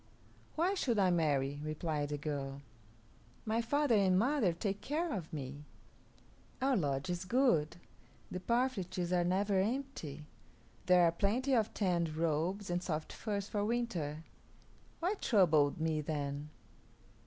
"Why should I marry?" replied the girl. "My father and mother take care of me. Our lodge is good; the parfleches are never empty; there are plenty of tanned robes and soft furs for winter. Why trouble me, then?"